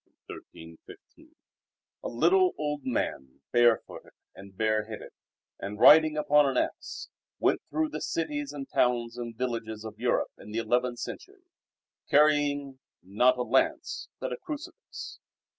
1315) I A little old man, barefooted and bareheaded, and riding upon an ass, went through the cities and towns and villages of Europe, in the eleventh century, carrying not a lance, but a crucifix.